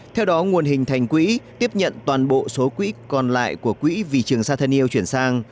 theo đó nguồn hình thành quỹ tiếp nhận toàn bộ số quỹ còn lại của quỹ vì trường sa thân yêu chuyển sang